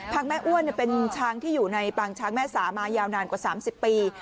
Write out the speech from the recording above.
แม่อ้วนเป็นช้างที่อยู่ในปางช้างแม่สามายาวนานกว่า๓๐ปี